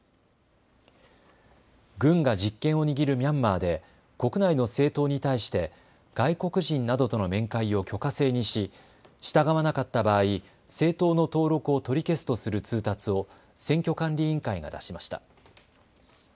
軍が実権を握るミャンマーで国内の政党に対して外国人などとの面会を許可制にし従わなかった場合、政党の登録を取り消すとする通達を選挙管理委員会が出しました。